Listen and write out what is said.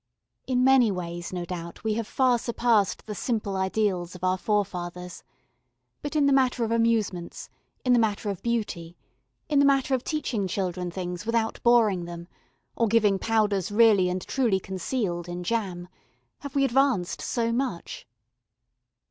In many ways no doubt we have far surpassed the simple ideals of our forefathers, but in the matter of amusements, in the matter of beauty, in the matter of teaching children things without boring them, or giving powders really and truly concealed in jam have we advanced so much?